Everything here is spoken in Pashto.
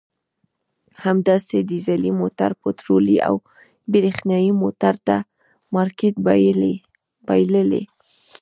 همداسې ډیزلي موټر پټرولي او برېښنایي موټر ته مارکېټ بایللی.